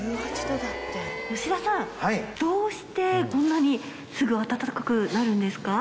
吉田さんどうしてこんなにすぐ暖かくなるんですか？